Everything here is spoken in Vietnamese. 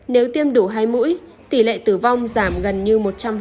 nếu tiêm đủ hai mũi tỷ lệ tử vong giảm gần như một trăm linh